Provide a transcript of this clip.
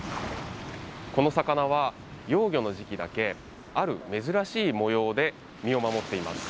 この魚は幼魚の時期だけある珍しい模様で身を守っています。